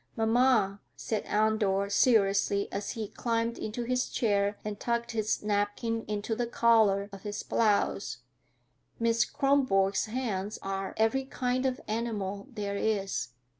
"Mamma," said Andor seriously as he climbed into his chair and tucked his napkin into the collar of his blouse, "Miss Kronborg's hands are every kind of animal there is."